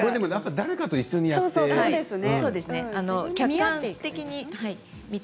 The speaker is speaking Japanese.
誰かと一緒にやって。